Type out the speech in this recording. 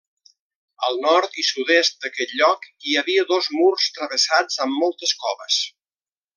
Al nord i sud-est d'aquest lloc hi havia dos murs travessats, amb moltes coves.